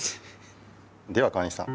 では川西さん